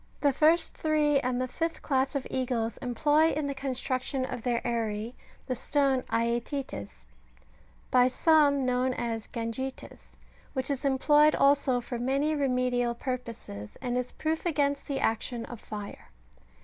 The first three and the fifth class of eagles employ in the construction of their aerie the stone aetites,'^ by some known as '' gangites ;" which is employed also for many remedial purposes, and is proof against the action of fire.